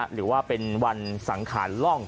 หรือว่าเป็นวันสังขารล่อง